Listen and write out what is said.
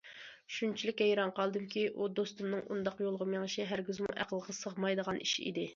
شۇنچىلىك ھەيران قالدىمكى ئۇ دوستۇمنىڭ ئۇنداق يولغا مېڭىشى ھەرگىزمۇ ئەقىلگە سىغمايدىغان ئىش ئىدى.